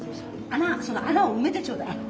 その穴を埋めてちょうだい。